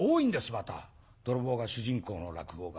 また泥棒が主人公の落語が。